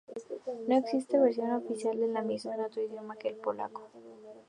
No existe versión oficial de la misma en otro idioma que el polaco.